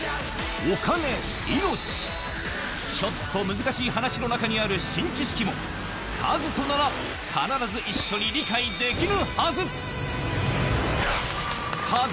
お金、命、ちょっと難しい話の中にある新知識も、カズとなら必ず一緒に理解できるはず。